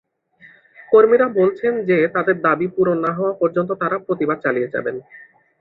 কর্মীরা বলছেন যে তাদের দাবি পূরণ না হওয়া পর্যন্ত তারা প্রতিবাদ চালিয়ে যাবেন।